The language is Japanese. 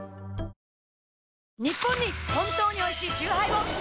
ニッポンに本当においしいチューハイを！